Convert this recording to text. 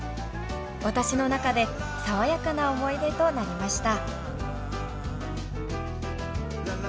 私の中で爽やかな思い出となりました。